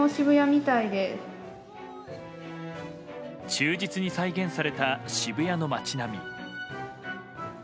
忠実に再現された渋谷の街並み。